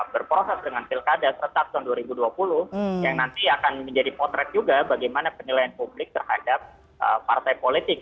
berproses dengan pilkada seretak tahun dua ribu dua puluh yang nanti akan menjadi potret juga bagaimana penilaian publik terhadap partai politik